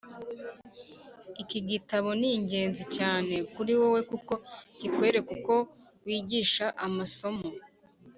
Iki gitabo ni ingenzi cyane kuri wowe kuko kikwereka uko wigisha amasomo